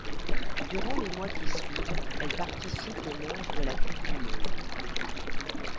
Durant les mois qui suivent, elle participe aux manches de la coupe du monde.